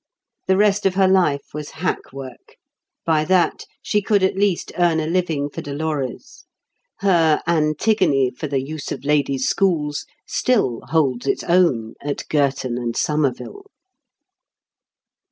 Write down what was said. The rest of her life was hack work; by that, she could at least earn a living for Dolores. Her "Antigone, for the Use of Ladies' Schools" still holds its own at Girton and Somerville.